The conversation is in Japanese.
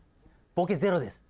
ボケゼロです。